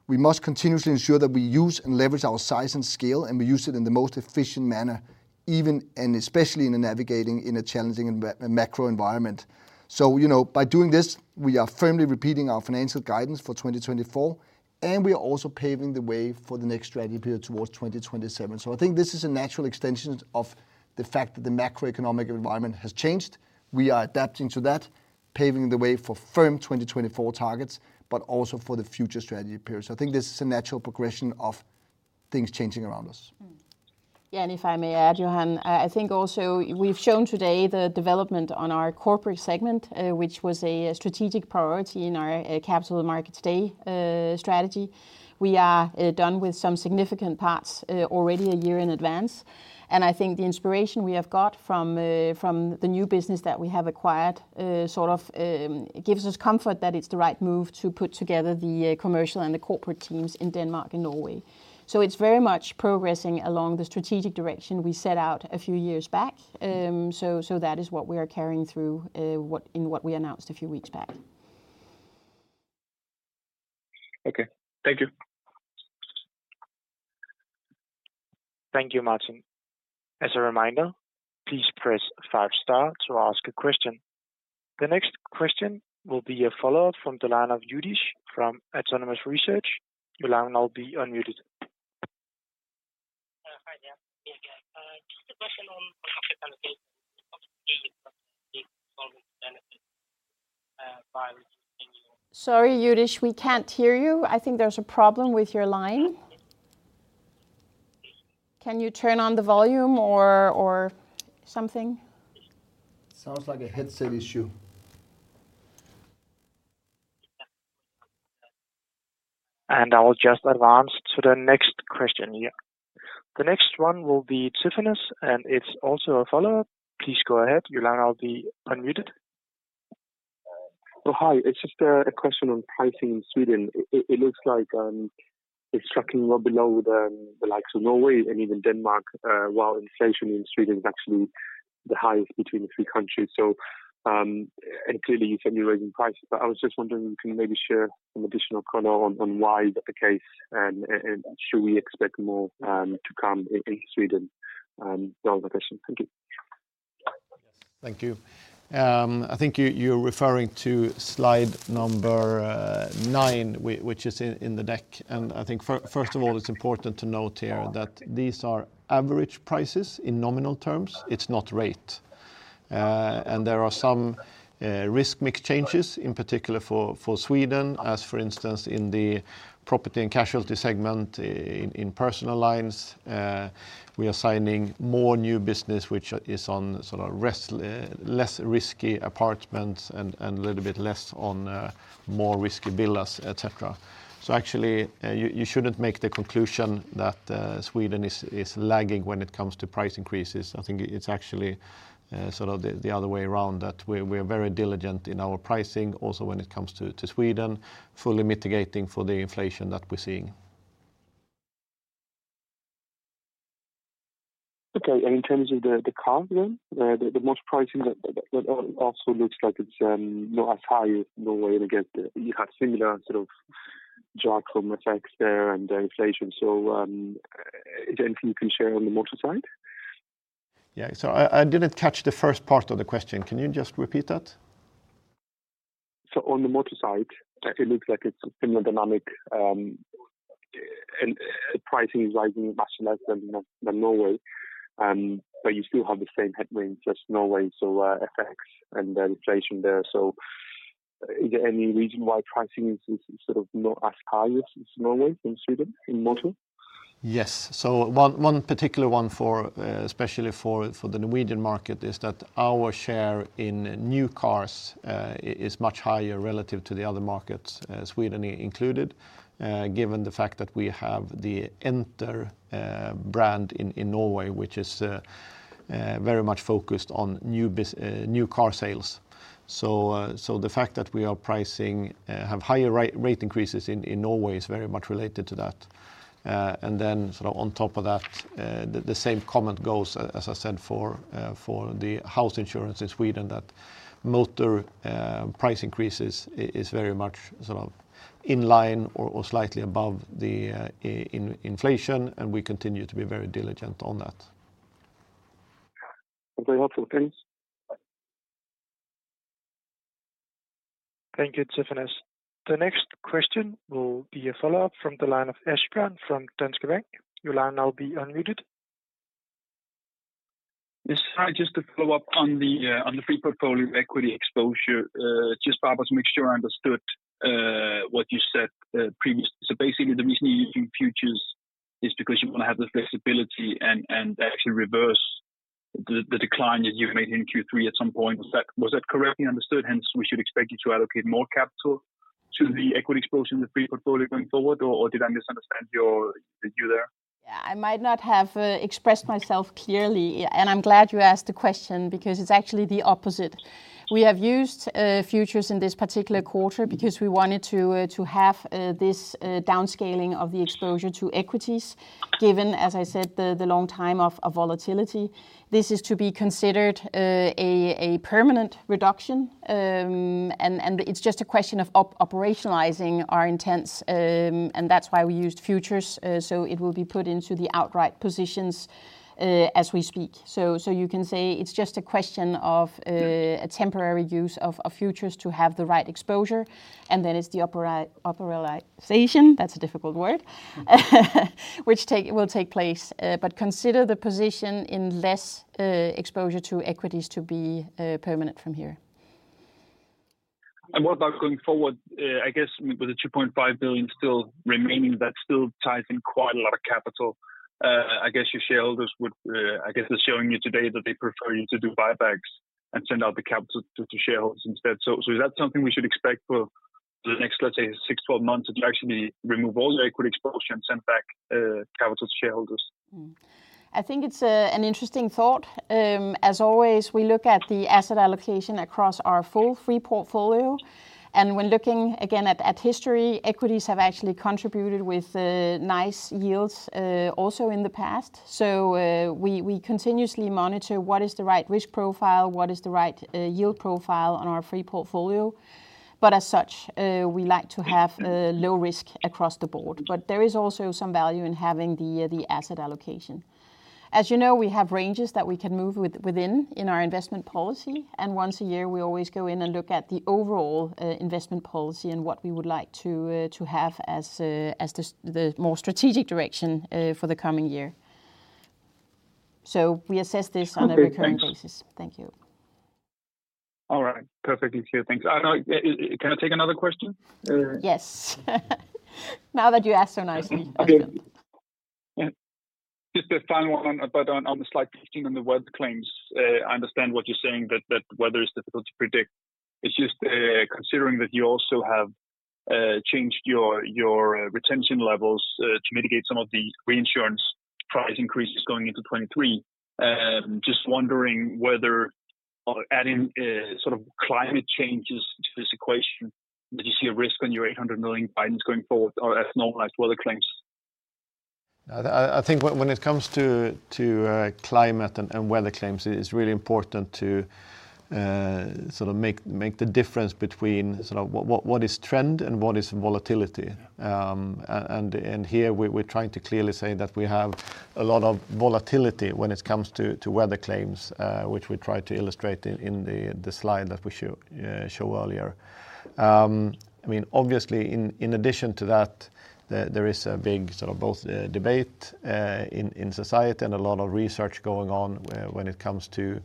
S2: we must continuously ensure that we use and leverage our size and scale, and we use it in the most efficient manner, even and especially in navigating a challenging macro environment. So, you know, by doing this, we are firmly repeating our financial guidance for 2024, and we are also paving the way for the next strategy period towards 2027. So I think this is a natural extension of the fact that the macroeconomic environment has changed. We are adapting to that, paving the way for firm 2024 targets, but also for the future strategy periods. I think this is a natural progression of things changing around us.
S4: Yeah and if I may add, Johan, I think also we've shown today the development on our corporate segment, which was a strategic priority in our Capital Market Day strategy. We are done with some significant parts, already a year in advance, and I think the inspiration we have got from from the new business that we have acquired, sort of, gives us comfort that it's the right move to put together the commercial and the corporate teams in Denmark and Norway. So it's very much progressing along the strategic direction we set out a few years back. So that is what we are carrying through, what we announced a few weeks back.
S13: Okay. Thank you.
S5: Thank you, Martin. As a reminder, please press five star to ask a question. The next question will be a follow-up from the line of Youdish from Autonomous Research. Your line will now be unmuted.
S7: Hi there. Yeah, just a question on capital allocation benefit by reducing you -
S4: Sorry Youdish, we can't hear you. I think there's a problem with your line. Can you turn on the volume or, or something?
S2: Sounds like a headset issue.
S5: I will just advance to the next question here. The next one will be Tryfonas and it's also a follow-up. Please go ahead. Your line now be unmuted.
S9: Oh, hi. It's just a question on pricing in Sweden. It looks like it's tracking well below the likes of Norway and even Denmark, while inflation in Sweden is actually the highest between the three countries. So, and clearly, you said you're raising prices, but I was just wondering, can you maybe share some additional color on why is that the case, and should we expect more to come in Sweden? That was my question. Thank you.
S3: Thank you. I think you, you're referring to slide number 9, which is in the deck. And I think first of all, it's important to note here that these are average prices in nominal terms. It's not rate... and there are some risk mix changes, in particular for Sweden, as for instance, in the property and casualty segment, in personal lines, we are signing more new business, which is on sort of risk, less risky apartments and a little bit less on more risky builders, et cetera. So actually, you shouldn't make the conclusion that Sweden is lagging when it comes to price increases. I think it's actually sort of the other way around, that we're very diligent in our pricing, also when it comes to Sweden, fully mitigating for the inflation that we're seeing.
S9: Okay. And in terms of the car then, the motor pricing that also looks like it's not as high in Norway. And again, you have similar sort of drag from FX effects there and the inflation. So, is anything you can share on the motor side?
S3: Yeah. So I, I didn't catch the first part of the question. Can you just repeat that?
S9: So on the motor side, it looks like it's similar dynamic, and pricing is rising much less than Norway. But you still have the same headwinds as Norway, so effects and the inflation there. So is there any reason why pricing is sort of not as high as Norway in Sweden, in motor?
S3: Yes. So one particular one for especially for the Norwegian market is that our share in new cars is much higher relative to the other markets, Sweden included, given the fact that we have the Enter brand in Norway, which is very much focused on new car sales. So the fact that we are pricing have higher rate increases in Norway is very much related to that. And then sort of on top of that, the same comment goes, as I said, for the house insurance in Sweden, that motor price increases is very much sort of in line or slightly above the inflation, and we continue to be very diligent on that.
S9: Very helpful. Thanks.
S5: Thank you, Tryfonas. The next question will be a follow-up from the line of Asbjørn from Danske Bank. Your line now will be unmuted.
S6: Yes hi, just to follow up on the, on the free portfolio equity exposure, just perhaps to make sure I understood, what you said, previously. So basically, the reason you're using futures is because you want to have the flexibility and, and actually reverse the, the decline that you've made in Q3 at some point. Was that, was that correctly understood? Hence, we should expect you to allocate more capital to the equity exposure in the free portfolio going forward, or, or did I misunderstand your... you there?
S4: Yeah, I might not have expressed myself clearly, yeah. And I'm glad you asked the question because it's actually the opposite. We have used futures in this particular quarter because we wanted to have this downscaling of the exposure to equities, given, as I said, the long time of volatility. This is to be considered a permanent reduction. And it's just a question of operationalizing our intents, and that's why we used futures. So it will be put into the outright positions as we speak. So you can say it's just a question of a temporary use of futures to have the right exposure, and then it's the operationalization, that's a difficult word, which will take place. But consider the position in less exposure to equities to be permanent from here.
S6: What about going forward? I guess with the 2.5 billion still remaining, that still ties in quite a lot of capital. I guess your shareholders would, I guess they're showing you today that they prefer you to do buybacks and send out the capital to, to shareholders instead. So, so is that something we should expect for the next, let's say, 6-12 months, to actually remove all the equity exposure and send back, capital to shareholders?
S4: Mm-hmm. I think it's an interesting thought. As always, we look at the asset allocation across our full free portfolio, and when looking again at history, equities have actually contributed with nice yields also in the past. So we continuously monitor what is the right risk profile, what is the right yield profile on our free portfolio. But as such, we like to have low risk across the board. But there is also some value in having the asset allocation. As you know, we have ranges that we can move within, in our investment policy, and once a year, we always go in and look at the overall investment policy and what we would like to have as the more strategic direction for the coming year. So we assess this on a recurring basis.
S6: Okay, thanks.
S4: Thank you.
S6: All right. Perfectly clear. Thanks. No, can I take another question?
S4: Yes. Now that you ask so nicely.
S6: Okay.
S4: Yeah.
S6: Just a final one, but on the slight increase on the weather claims. I understand what you're saying, that, that weather is difficult to predict. It's just, considering that you also have, changed your, your, retention levels, to mitigate some of the reinsurance price increases going into 2023. Just wondering whether, or adding, sort of climate changes to this equation, do you see a risk on your 800 million filings going forward or as normalized weather claims?
S3: I think when it comes to climate and weather claims, it is really important to sort of make the difference between sort of what is trend and what is volatility. And here we're trying to clearly say that we have a lot of volatility when it comes to weather claims, which we tried to illustrate in the slide that we showed earlier. I mean, obviously, in addition to that, there is a big sort of both debate in society and a lot of research going on when it comes to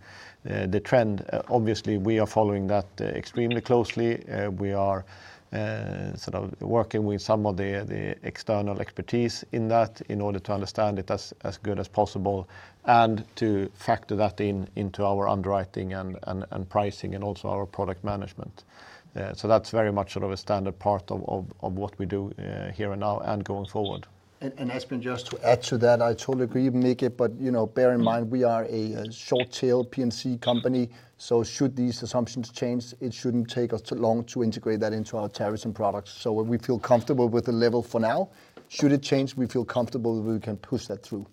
S3: the trend. Obviously, we are following that extremely closely. We are sort of working with some of the external expertise in that in order to understand it as good as possible and to factor that in into our underwriting and pricing and also our product management. So that's very much sort of a standard part of what we do here and now and going forward.
S2: Asbjørn, just to add to that, I totally agree with Mike, but you know, bear in mind we are a short-tail P&C company, so should these assumptions change, it shouldn't take us too long to integrate that into our tariffs and products. So when we feel comfortable with the level for now, should it change, we feel comfortable we can push that through.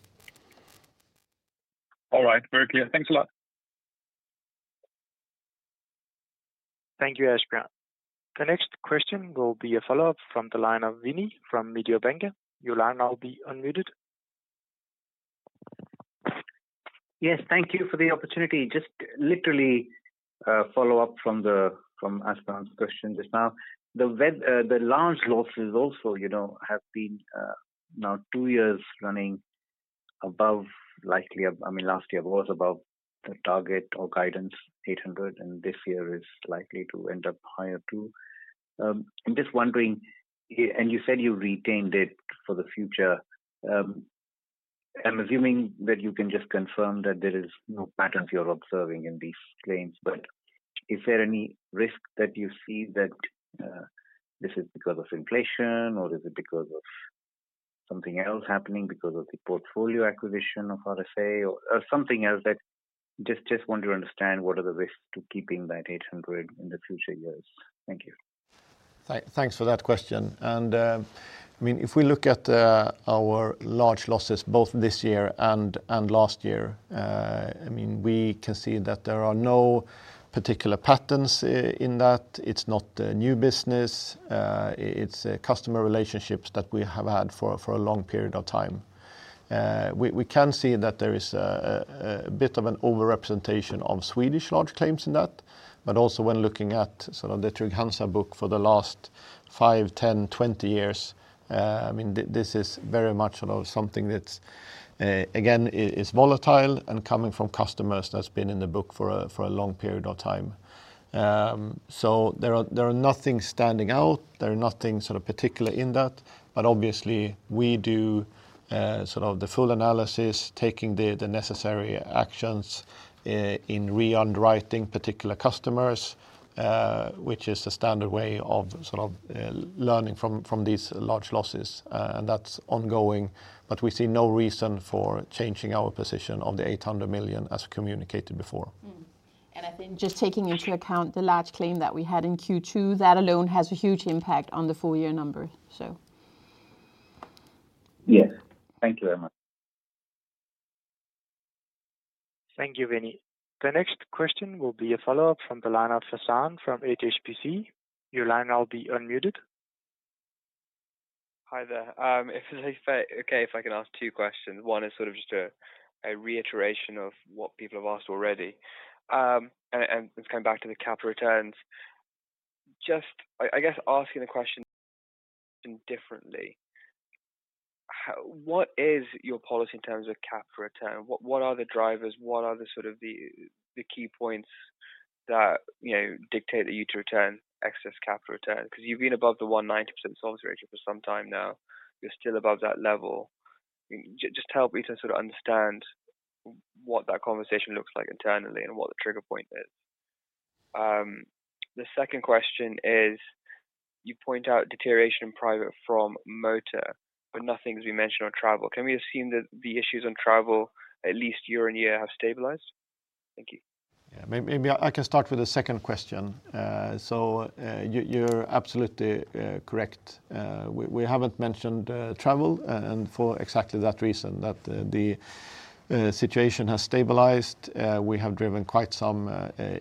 S6: All right. Very clear. Thanks a lot.
S5: Thank you, Asbjørn. The next question will be a follow-up from the line of Vinit from Mediobanca. Your line now will be unmuted.
S10: Yes, thank you for the opportunity. Just literally, a follow up from Asbjørn's question just now. The large losses also, you know, have been now two years running above likely. I mean, last year was above the target or guidance, 800, and this year is likely to end up higher, too. I'm just wondering, and you said you retained it for the future. I'm assuming that you can just confirm that there is no patterns you're observing in these claims, but is there any risk that you see that this is because of inflation, or is it because of something else happening, because of the portfolio acquisition of RSA or, or something else that. Just want to understand what are the risks to keeping that 800 in the future years? Thank you.
S3: Thanks for that question. I mean, if we look at our large losses, both this year and last year, I mean, we can see that there are no particular patterns in that. It's not a new business. It's customer relationships that we have had for a long period of time. We can see that there is a bit of an overrepresentation of Swedish large claims in that, but also when looking at sort of the Trygg-Hansa book for the last 5, 10, 20 years, I mean, this is very much sort of something that's again is volatile and coming from customers that's been in the book for a long period of time. So there is nothing standing out, nothing sort of particular in that, but obviously, we do sort of the full analysis, taking the necessary actions in re-underwriting particular customers, which is the standard way of sort of learning from these large losses. And that's ongoing, but we see no reason for changing our position on the 800 million as communicated before.
S4: Mm-hmm. And I think just taking into account the large claim that we had in Q2, that alone has a huge impact on the full year number, so.
S10: Yes. Thank you very much.
S5: Thank you, Vinit. The next question will be a follow-up from the line of Faizan from HSBC. Your line now will be unmuted.
S11: Hi there. If I can ask two questions. One is sort of just a reiteration of what people have asked already. And it's coming back to the capital returns. Just, I guess asking the question differently, what is your policy in terms of capital return? What are the drivers? What are the sort of the key points that, you know, dictate that you to return excess capital return? 'Cause you've been above the 190% solvency ratio for some time now. You're still above that level. Just help me to sort of understand what that conversation looks like internally and what the trigger point is. The second question is, you point out deterioration in private from motor, but nothing has been mentioned on travel. Can we assume that the issues on travel, at least year-on-year, have stabilized? Thank you.
S3: Yeah. Maybe I can start with the second question. So, you - you're absolutely correct. We haven't mentioned travel, and for exactly that reason, that the situation has stabilized. We have driven quite some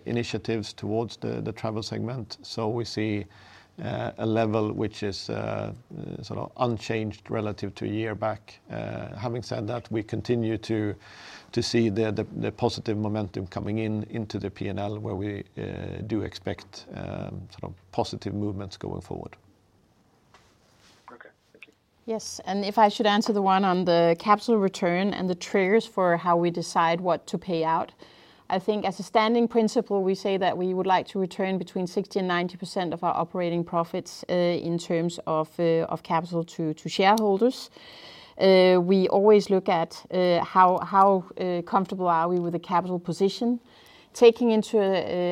S3: initiatives towards the travel segment, so we see a level which is sort of unchanged relative to a year back. Having said that, we continue to see the positive momentum coming in into the P&L, where we do expect sort of positive movements going forward.
S11: Okay. Thank you.
S4: Yes and if I should answer the one on the capital return and the triggers for how we decide what to pay out, I think as a standing principle, we say that we would like to return between 60%-90% of our operating profits in terms of capital to shareholders. We always look at how comfortable are we with the capital position, taking into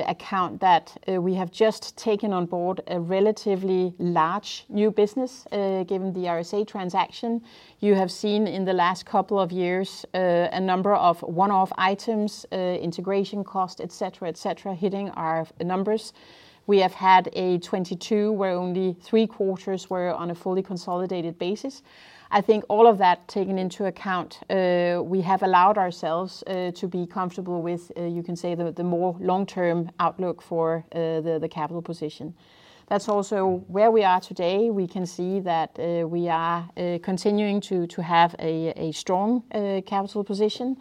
S4: account that we have just taken on board a relatively large new business given the RSA transaction. You have seen in the last couple of years a number of one-off items, integration cost, et cetera, et cetera, hitting our numbers. We have had a 2022, where only three quarters were on a fully consolidated basis. I think all of that taken into account, we have allowed ourselves to be comfortable with, you can say, the more long-term outlook for the capital position. That's also where we are today. We can see that we are continuing to have a strong capital position,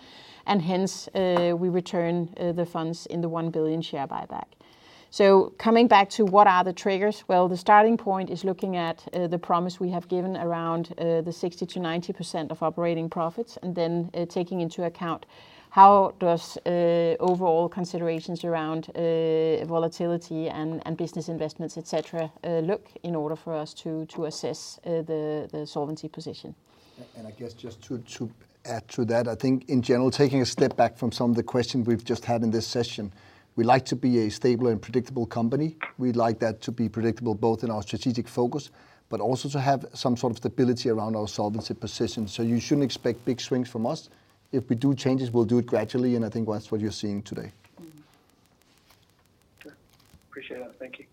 S4: and hence, we return the funds in the 1 billion share buyback. So coming back to what are the triggers? Well, the starting point is looking at the promise we have given around the 60%-90% of operating profits, and then, taking into account how does overall considerations around volatility and business investments, et cetera, look in order for us to assess the solvency position.
S2: I guess just to add to that, I think in general, taking a step back from some of the questions we've just had in this session, we like to be a stable and predictable company. We'd like that to be predictable, both in our strategic focus but also to have some sort of stability around our solvency position. So you shouldn't expect big swings from us. If we do changes, we'll do it gradually, and I think that's what you're seeing today.
S11: Mm-hmm. Sure. Appreciate that. Thank you.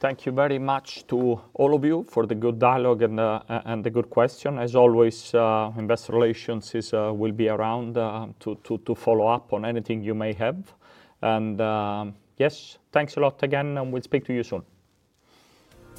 S1: Thank you very much to all of you for the good dialogue and the good question. As always, investor relations will be around to follow up on anything you may have. Yes, thanks a lot again and we'll speak to you soon.